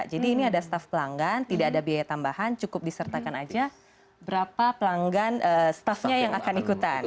jadi ini ada staff pelanggan tidak ada biaya tambahan cukup disertakan aja berapa pelanggan staffnya yang akan ikutan